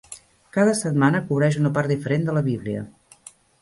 Cada setmana cobreix una part diferent de la Bíblia.